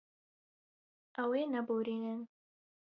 Ew ê neborînin.